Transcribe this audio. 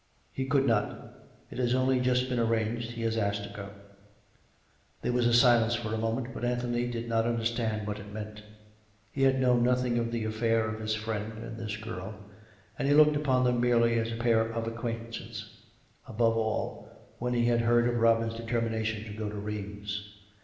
" He could not. It has only just been arranged. He has asked to go." There was a silence for a moment. But Anthony did not understand what it meant. He had known nothing of the affair of his friend and this girl, and he looked upon them merely as a pair of acquaintances, above all, when he had heard of Robin's determination to go to Rheims.